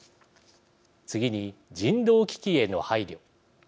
次に人道危機への配慮。